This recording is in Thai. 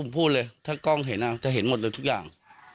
ผมพูดเลยถ้ากล้องเห็นจะเห็นหมดเลยทุกอย่าง